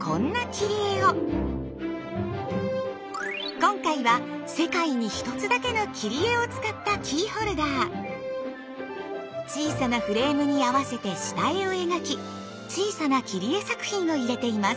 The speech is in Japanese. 今回は世界に一つだけの切り絵を使った小さなフレームに合わせて下絵を描き小さな切り絵作品を入れています。